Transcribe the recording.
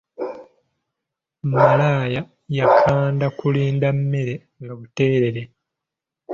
Malaaya yakanda kulinda mmere nga buteerere